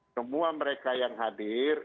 semua mereka yang hadir